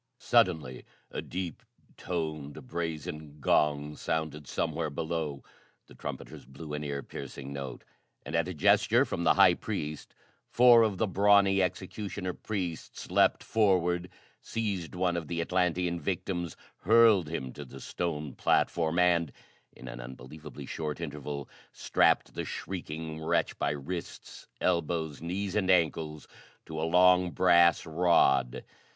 Suddenly a deep toned brazen gong sounded somewhere below; the trumpeters blew an ear piercing note; and, at a gesture from the high priest, four of the brawny executioner priests leaped forward, seized one of the Atlantean victims, hurled him to the stone platform and, in an unbelievably short interval, strapped the shrieking wretch by wrists, elbows, knees and ankles to a long, brass rod.